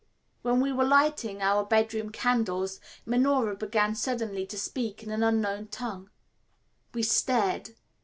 When we were lighting our bedroom candles Minora began suddenly to speak in an unknown tongue. We stared.